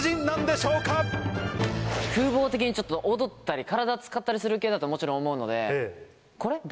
風貌的にちょっと踊ったり体使ったりする系だともちろん思うので。